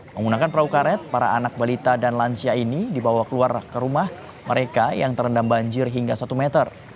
menggunakan perahu karet para anak balita dan lansia ini dibawa keluar ke rumah mereka yang terendam banjir hingga satu meter